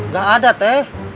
gak ada teh